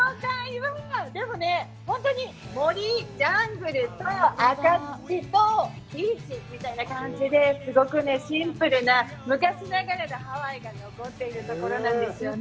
でもね、本当に、森、ジャングルと、赤土と、ビーチみたいな感じですごくシンプルな、昔ながらのハワイが残っているところなんですよね。